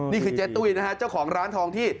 นี่คือเจ๊ตุ้ยนะฮะเจ้าของร้านทองที่